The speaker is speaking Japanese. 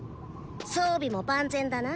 装備も万全だな？